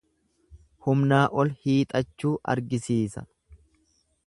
Humnaa ol hiixachuu argisiisa.